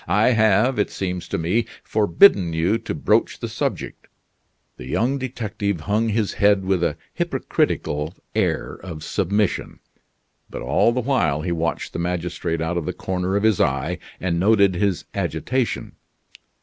I have, it seems to me, forbidden you to broach the subject." The young detective hung his head with a hypocritical air of submission. But all the while he watched the magistrate out of the corner of his eye and noted his agitation.